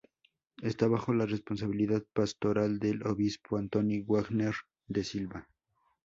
Esta bajo la responsabilidad pastoral del obispo Antônio Wagner da Silva.